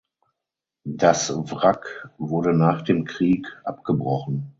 Das Wrack wurde nach dem Krieg abgebrochen.